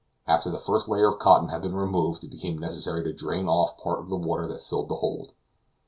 After the first layer of cotton had been removed it became necessary to drain off part of the water that filled the hold.